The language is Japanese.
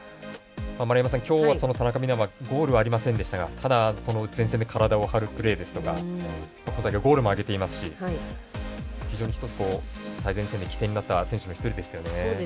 丸山さん、今日は田中美南はゴールはありませんでしたがただ、その前線で体を張るプレーですとかゴールも挙げていますし非常に最前線の起点になった選手の一人ですよね。